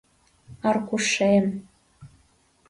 Аркушем...